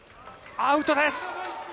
アウトです。